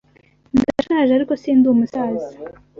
Ndashaje, ariko sindi umusaza.